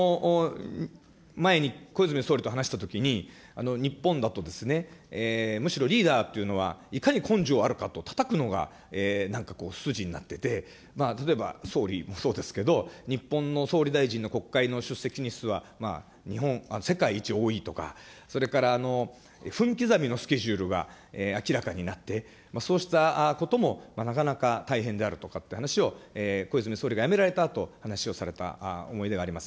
前に小泉総理と話したときに、日本だとむしろリーダーっていうのはいかに根性あるかとたたくのがなんかこう、筋になっていて、たとえば総理もそうですけど、日本の総理大臣の国会の出席日数は世界一多いとか、それから分刻みのスケジュールが明らかになって、そうしたこともなかなか大変であるとかっていう話を小泉総理が辞められたあと、話をされた思い出があります。